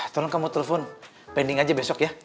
tolong kamu telpon pending aja besok ya